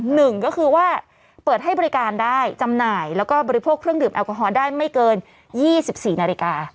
หนึ่งก็คือว่าเปิดให้บริการได้จำหน่ายแล้วก็บริโภคเครื่องดื่มแอลกอฮอล์ได้ไม่เกิน๒๔นาฬิกา